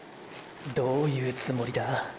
どういうつもりだ。